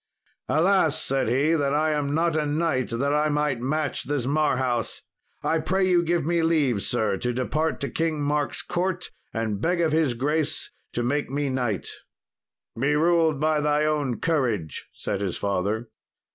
"Alas," said he, "that I am not a knight, that I might match this Marhaus! I pray you give me leave, sir, to depart to King Mark's court and beg of his grace to make me knight." "Be ruled by thy own courage," said his father.